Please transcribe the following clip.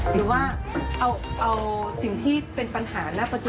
คืออยากจะให้วิกฤตที่เราเคยเจอตรงนั้นนะคะเอาตัวนั้นมาเป็นโอกาส